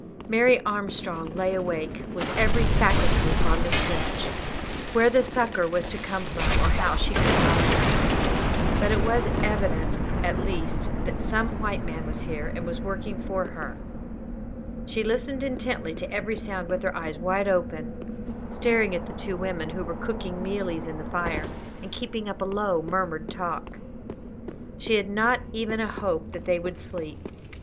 Mary Armstrong lay awake, with every faculty upon the stretch. Where the succour was to come from, or how, she could not imagine; but it was evident, at least, that some white man was here, and was working for her. She listened intently to every sound, with her eyes wide open, staring at the two women, who were cooking mealies in the fire, and keeping up a low, murmured talk. She had not even a hope that they would sleep.